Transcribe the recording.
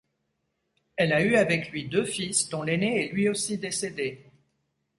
Elle a eu avec lui deux fils, dont l'aîné est lui aussi décédé.